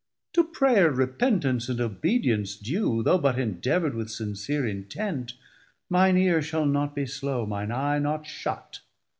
190 To prayer, repentance, and obedience due, Though but endevord with sincere intent, Mine eare shall not be slow, mine eye not shut.